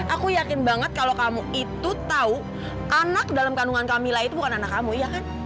aku yakin banget kalau kamu itu tahu anak dalam kandungan camilla itu bukan anak kamu ya kan